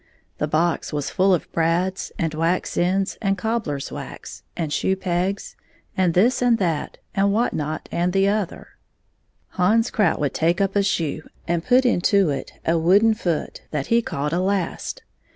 The box was fiill of brads, and wax ends, and cobbler's wax, and shoe pegs, and this and that and what not and the other. Hans Krout would take up a shoe and put into it a wooden foot that he called a last.